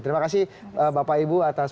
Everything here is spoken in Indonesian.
terima kasih bapak ibu atas